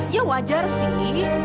ya wajar sih